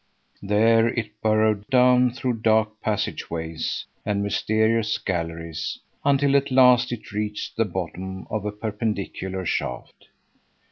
There it burrowed down through dark passage ways and mysterious galleries, until at last it reached the bottom of a perpendicular shaft.